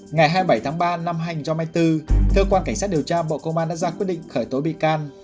ngày hai mươi bảy tháng ba năm hai mươi bốn cơ quan cảnh sát điều tra bộ công an đã ra quyết định khởi tối bị can